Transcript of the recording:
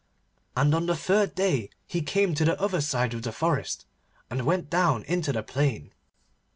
And on the third day he came to the other side of the forest and went down into the plain.